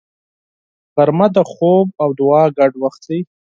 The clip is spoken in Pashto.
غرمه د خوب او دعا ګډ وخت دی